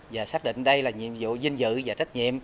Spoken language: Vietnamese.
và xác định đây là nhiệm vụ vinh dự và trách nhiệm